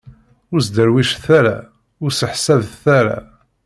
Ur sderwicet ara, ur sseḥsabet ara.